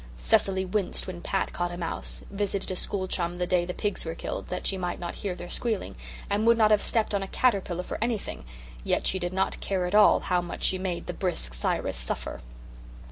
Cecily winced when Pat caught a mouse, visited a school chum the day the pigs were killed that she might not hear their squealing, and would not have stepped on a caterpillar for anything; yet she did not care at all how much she made the brisk Cyrus suffer.